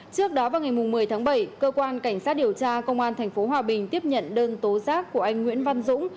trước đó vào ngày một mươi tháng bảy cơ quan cảnh sát điều tra công an tp hòa bình tiếp nhận đơn tố giác của anh nguyễn văn dũng